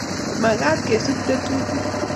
mekat kesub tetutik